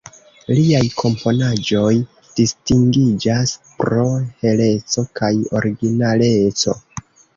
Liaj komponaĵoj distingiĝas pro heleco kaj originaleco.